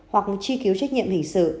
hoặc chi cứu trách nhiệm hình sự